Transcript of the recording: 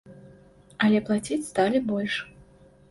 Але плаціць сталі больш.